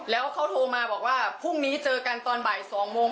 แล้วเขาโทรมาบอกว่าพรุ่งนี้เจอกันตอนบ่าย๒โมง